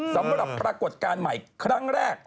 ปรากฏการณ์ใหม่ครั้งแรก